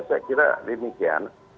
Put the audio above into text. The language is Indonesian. saya kira demikian